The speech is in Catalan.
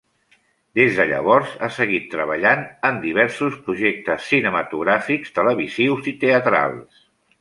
Des de llavors, ha seguit treballant en diversos projectes cinematogràfics, televisius i teatrals.